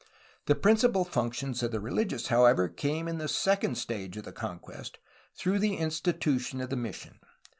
The principal function of the reUgious, however, came in the second stage of the conquest, through the institution of the mission.